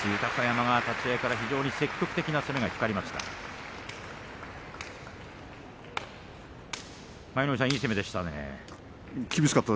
立ち合いから非常に積極的な攻めが光りました。